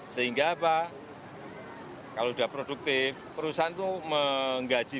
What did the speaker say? sehingga apa kalau sudah produktif perusahaan itu menggaji